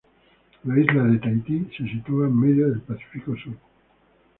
La isla de Tahití se sitúa en medio de Pacífico sur.